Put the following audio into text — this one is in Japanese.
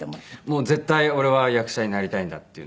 もう絶対俺は役者になりたいんだっていうので。